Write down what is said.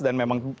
dan memang tidak